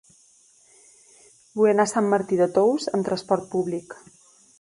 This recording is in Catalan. Vull anar a Sant Martí de Tous amb trasport públic.